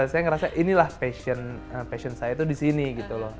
saya ngerasa inilah passion saya tuh di sini gitu loh